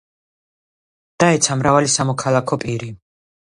დაეცა მრავალი სამოქალაქო პირი.